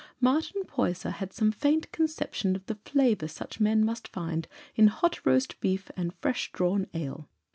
Martin Poyser had some faint conception of the flavour such men must find in hot roast beef and fresh drawn ale.